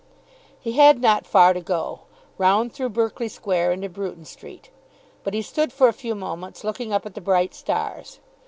He had not far to go, round through Berkeley Square into Bruton Street, but he stood for a few moments looking up at the bright stars.